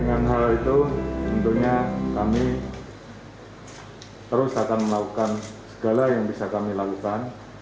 dengan hal itu tentunya kami terus akan melakukan segala yang bisa kami lakukan